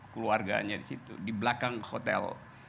keluarganya di situ di belakang hotel